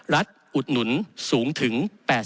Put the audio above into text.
รัฐอุดหนุนสูงถึง๘๖๔